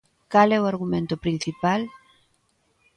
Cal é o argumento principal?